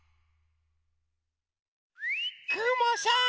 くもさん！